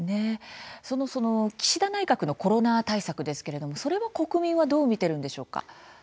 その岸田内閣のコロナ対策ですけれども国民はどう見ているんでしょうか。